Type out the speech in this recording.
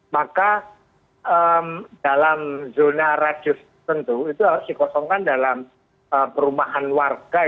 maka dalam zona radius tentu itu harus dikosongkan dalam perumahan warga